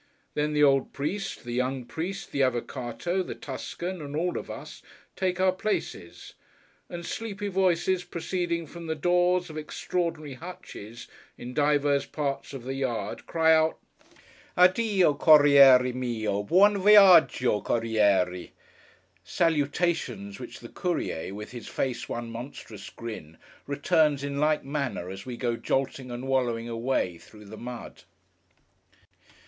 Then, the old priest, the young priest, the Avvocáto, the Tuscan, and all of us, take our places; and sleepy voices proceeding from the doors of extraordinary hutches in divers parts of the yard, cry out 'Addio corrière mio! Buon' viággio, corrière!' Salutations which the courier, with his face one monstrous grin, returns in like manner as we go jolting and wallowing away, through the mud.